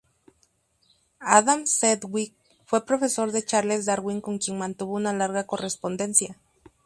Adam Sedgwick fue profesor de Charles Darwin, con quien mantuvo una larga correspondencia.